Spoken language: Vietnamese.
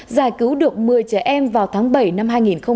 giải cứu được một mươi trẻ em vào tháng bảy năm hai nghìn một mươi một